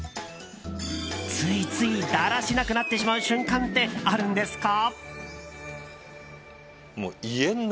ついついだらしなくなってしまう瞬間ってあるんですか？